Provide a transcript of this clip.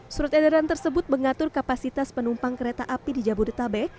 surat edaran tersebut mengatur kapasitas penumpang kereta api di jabodetabek